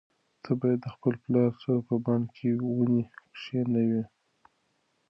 ته باید د خپل پلار سره په بڼ کې ونې کښېنوې.